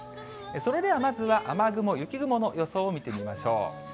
それではまずは、雨雲、雪雲の予想を見てみましょう。